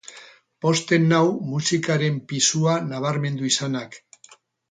Pozten nau musikaren pisua nabarmendu izanak.